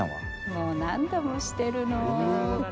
もう何度もしてるの。